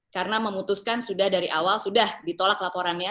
karena memutuskan sudah dari awal sudah ditolak laporannya